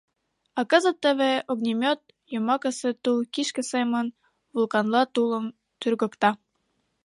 А кызыт теве огнемёт, йомакысе тул кишке семын, вулканла тулым тӱргыкта.